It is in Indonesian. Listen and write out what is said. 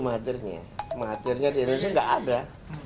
menghadirnya di indonesia enggak ada